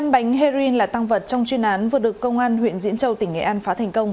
một mươi bánh heroin là tăng vật trong chuyên án vừa được công an huyện diễn châu tỉnh nghệ an phá thành công